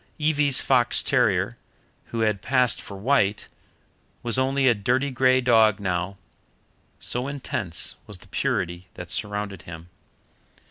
Evie's fox terrier, who had passed for white, was only a dirty grey dog now, so intense was the purity that surrounded him.